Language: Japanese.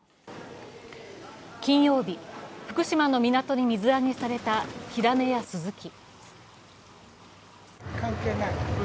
金曜日、福島の港に水揚げされたヒラメやスズキ。